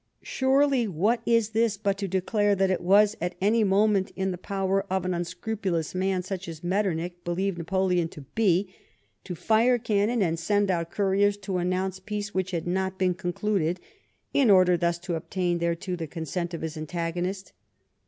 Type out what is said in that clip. Surely, what is this but to declare that it was at any moment in the power of an unscrupulous man such as Metternich believed Napoleon to be, to fire cannon and to send out couriers to announce peace which had not been concluded, in order thus to obtain thereto the consent of his antagonist.